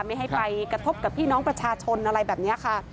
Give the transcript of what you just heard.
ไม่ให้ไปกระทบกับพี่น้องประชาชนอะไรแบบนี้ค่ะ